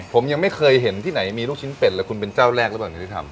ผมยังไม่เคยเห็นที่ไหนมีลูกชิ้นเป็ดเลยคุณเป็นเจ้าแรกหรือเปล่าที่ทำ